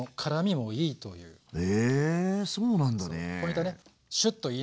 へそうなんだね！